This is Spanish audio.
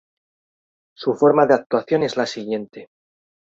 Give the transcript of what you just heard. Su forma de actuación es la siguiente.